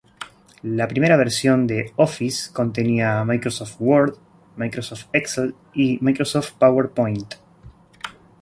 La primera versión de "Office" contenía "Microsoft Word", "Microsoft Excel" y "Microsoft PowerPoint".